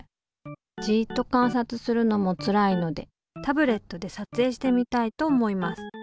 じっと観察するのもつらいのでタブレットでさつえいしてみたいと思います。